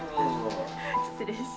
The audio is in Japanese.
失礼します。